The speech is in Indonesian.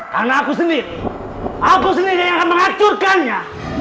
karena aku sendiri aku sendiri yang akan mengacurkannya